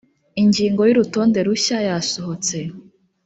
ingingo y’ urutonde rushya yasohotse .